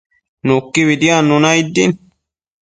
Nuquibi diadnuna aid din